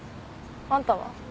あんたは？